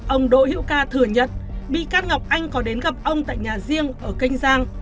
ông đỗ hữu ca thừa nhận bị can ngọc anh có đến gặp ông tại nhà riêng ở kênh giang